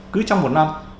cứ trong một năm